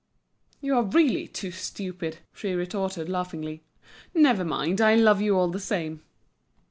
"You are really too stupid!" she retorted, laughingly. "Never mind, I love you all the same."